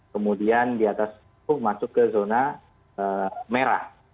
kemudian di atas sepuluh masuk ke zona merah